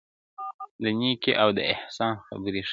د نېکۍ او د احسان خبري ښې دي٫